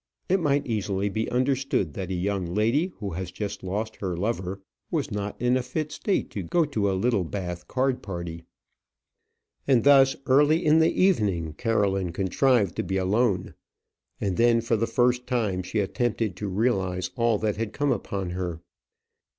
It might easily be understood that a young lady who had just lost her lover was not in a fit state to go to a Littlebath card party. And thus early in the evening Caroline contrived to be alone; and then for the first time she attempted to realize all that had come upon her.